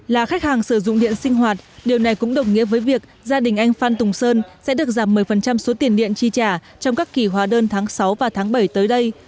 là khách hàng sử dụng điện sinh hoạt điều này cũng đồng nghĩa với việc gia đình anh phan tùng sơn sẽ được giảm một mươi số tiền điện chi trả trong các kỳ hóa đơn tháng sáu và tháng bảy tới đây